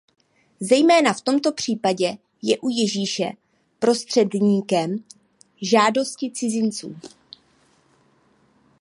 Zejména v tomto případě je u Ježíše prostředníkem žádosti cizinců.